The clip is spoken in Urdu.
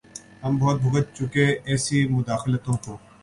ہم بہت بھگت چکے ایسی مداخلتوں کو۔